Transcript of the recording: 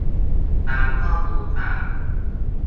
ตามข้อมูลจาก